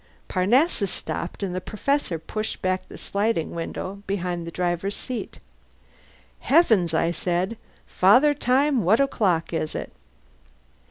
Parnassus stopped, and the Professor pushed back the sliding window behind the driver's seat. "Heavens!" I said. "Father Time, what o'clock is it?"